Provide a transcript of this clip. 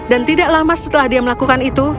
dan tidak lama setelah dia melakukan itu